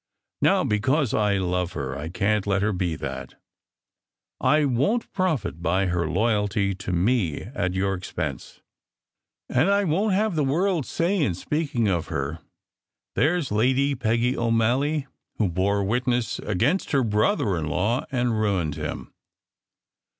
Now, because I love her, I can t let her be that. I won t profit by her loyalty to me at your expense. And I won t have the world say in speaking of her, * There s Lady Peggy O Malley, who bore witness against her brother in law and ruined him.